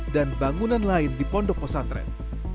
dan bangunan lain di pondok pesantren